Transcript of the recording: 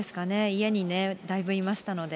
家にね、だいぶいましたので。